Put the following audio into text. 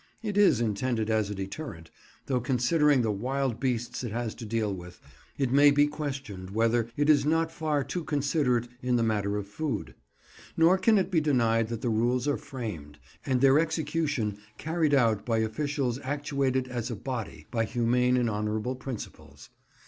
It is intended as a deterrent, though considering the wild beasts it has to deal with, it may be questioned whether it is not far too considerate in the matter of food. Nor can it be denied that the rules are framed, and their execution carried out by officials actuated as a body by humane and honourable principles.